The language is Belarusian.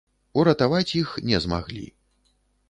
Уратаваць іх не змаглі.